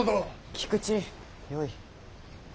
菊池よい。